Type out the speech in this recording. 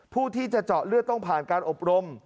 ผู้ที่จะเจาะเลือดต้องผ่านการอบรม